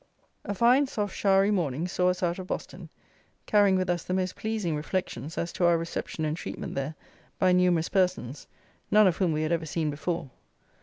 _ A fine, soft, showery morning saw us out of Boston, carrying with us the most pleasing reflections as to our reception and treatment there by numerous persons, none of whom we had ever seen before.